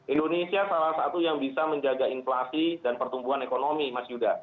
indonesia salah satu yang bisa menjaga inflasi dan pertumbuhan ekonomi mas yuda